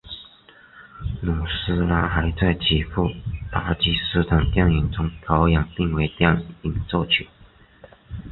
努斯拉还在几部巴基斯坦电影中表演并为电影作曲。